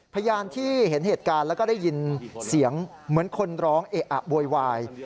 พยานที่เห็นเหตุการณ์แล้วก็ได้ยินเสียงเหมือนคนร้องเอะอะโวยวาย